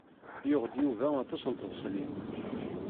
Yuɣ-d Yuba aṭas n tbeṣlin.